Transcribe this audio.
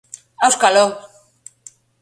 Auskalo!